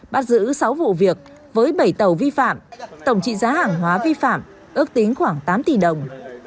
bắt giữ sáu vụ việc với bảy tàu vi phạm tổng trị giá hàng hóa vi phạm ước tính khoảng tám tỷ đồng